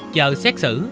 chờ xét xử